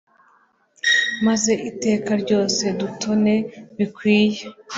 maze iteka ryose dutone bikwiye